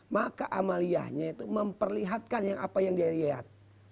maka amaliyahnya itu memperlihatkan apa yang dia lihat